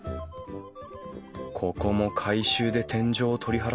ここも改修で天井を取り払ったのかな